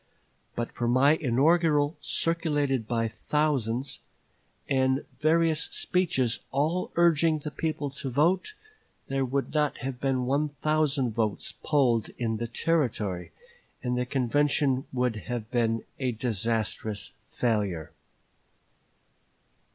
But for my inaugural, circulated by thousands, and various speeches all urging the people to vote, there would not have been one thousand votes polled in the Territory, and the convention would have been a disastrous failure."